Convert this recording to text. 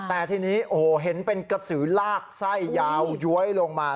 แต่ทีนี้โอ้โหเห็นเป็นกระสือลากไส้ยาวย้วยลงมา